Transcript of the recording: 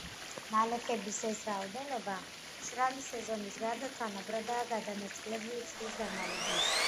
ნალექების ეს რაოდენობა მშრალი სეზონის გარდა, თანაბრადაა გადანაწილებული წლის განმავლობაში.